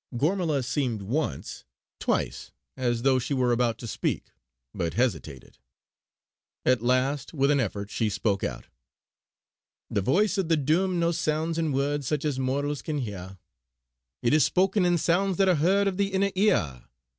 Gormala seemed once, twice, as though she were about to speak, but hesitated; at last with an effort she spoke out: "The Voice o' the Doom no sounds in words such as mortals can hear. It is spoken in sounds that are heard of the inner ear.